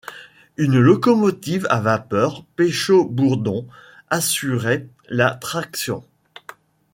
Une locomotive à vapeur Péchot-Bourdon assurait la traction.